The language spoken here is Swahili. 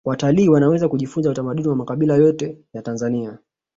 watalii wanaweza kujifunza utamaduni wa makabila yote ya tanzania